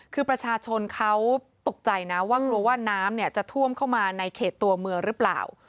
คือประชาชนเขาตกใจนะว่ากลัวว่าน้ำจะท่วมเข้ามาในเขตตัวเมืองหรือเปล่า